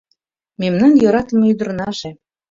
Мемнан йӧратыме ӱдырнаже